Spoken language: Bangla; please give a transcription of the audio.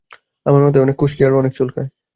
আমার মাথায় অনেক খুশকি আর অনেক চুলকায়।